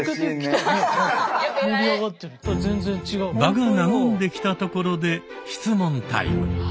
場が和んできたところで質問タイム。